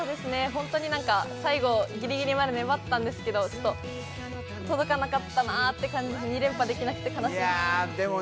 本当に最後、ギリギリまで粘ったんですけど届かなかったなって感じで２連覇できなくて悔しいです。